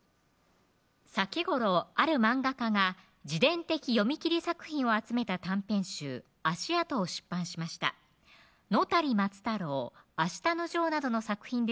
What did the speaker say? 先頃ある漫画家が自伝的読み切り作品を集めた短編集あしあとを出版しましたのたり松太郎あしたのジョーなどの作